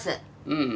うん。